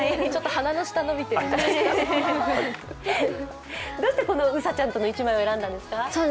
ちょっと鼻の下伸びてるどうしてこのうさちゃんとの一枚を選んだんですか。